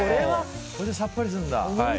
これでさっぱりするんだ。